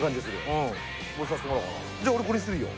じゃ俺これにするよ。